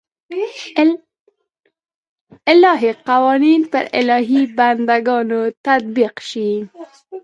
الهي قوانین پر الهي بنده ګانو تطبیق شي.